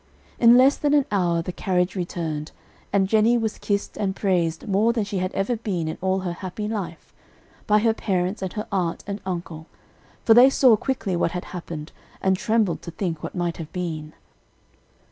"] In less than an hour the carriage returned, and Jennie was kissed and praised more than she had ever been in all her happy life, by her parents and her aunt and uncle; for they saw quickly what had happened, and trembled to think what might have been.